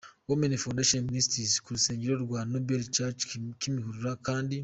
Women Foundation Ministries ku rusengero rwa Noble Church Kimihurura, kandi.